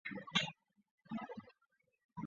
每一卷又包括若干章和节。